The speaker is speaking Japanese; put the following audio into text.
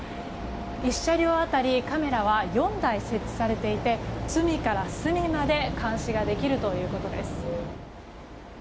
１車両当たりカメラは４台設置されていて隅から隅まで監視ができるということです。